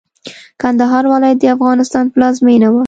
کندهار ولايت د افغانستان پلازمېنه وه.